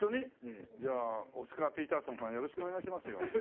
じゃあオスカー・ピーターソンさんよろしくお願いしますよ。